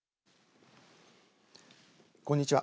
こんにちは。